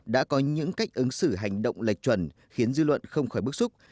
đã có những cách ứng xử hành động lệch chuẩn khiến dư luận không khỏi bức xúc